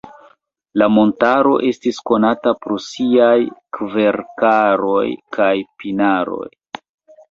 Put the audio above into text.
La montaro estis konata pro siaj kverkaroj kaj pinaroj.